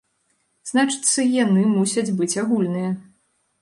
Значыцца, яны мусяць быць агульныя.